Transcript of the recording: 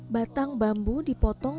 batang bambu dipotong